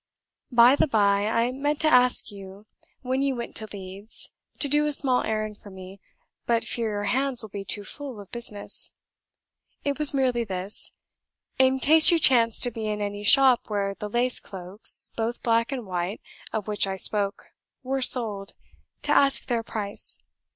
"By the bye, I meant to ask you when you went to Leeds, to do a small errand for me, but fear your hands will be too full of business. It was merely this: in case you chanced to be in any shop where the lace cloaks, both black and white, of which I spoke, were sold, to ask their price.